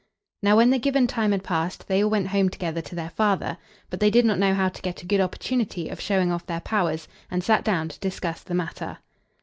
Now, when the given time had passed, they all went home together to their father; but they did not know how to get a good opportunity of showing off their powers, and sat down to discuss the matter.